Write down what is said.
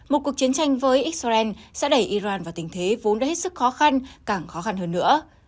một cuộc chiến tranh với israel sẽ đẩy iran vào tình thế vốn đã hết sức khó khăn càng khó khăn hơn nữa